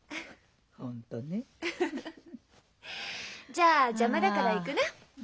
じゃあ邪魔だから行くね。